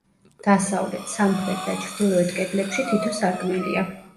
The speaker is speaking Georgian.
დასავლეთ, სამხრეთ და ჩრდილოეთ კედლებში თითო სარკმელია.